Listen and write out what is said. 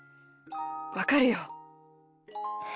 わかるよ。